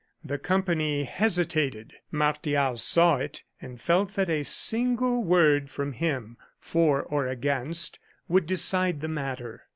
The company hesitated; Martial saw it, and felt that a single word from him, for or against, would decide the matter.